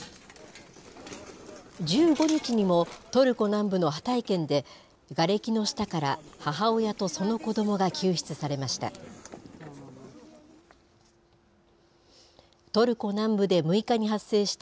１５日にもトルコ南部のハタイ県で、がれきの下から母親とその子どもが救出されました。